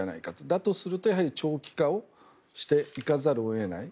だとすると、やはり長期化をしていかざるを得ない。